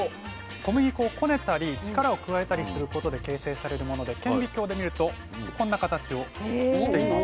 小麦粉をこねたり力を加えたりすることで形成されるもので顕微鏡で見るとこんな形をしています。